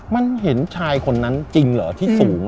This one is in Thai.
มันเห็นชายคนนั้นจริงเหรอที่สูง